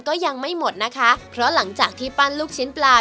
ก็ยังไม่หมดนะคะเพราะหลังจากที่ปั้นลูกชิ้นปลา